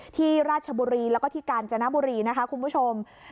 ราชบุรีแล้วก็ที่กาญจนบุรีนะคะคุณผู้ชม